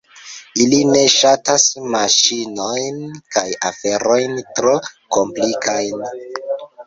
Ili ne ŝatas maŝinojn kaj aferojn tro komplikajn.